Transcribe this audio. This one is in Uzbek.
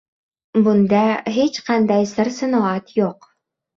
Bunda hech qanday sir-sinoat yoʻq.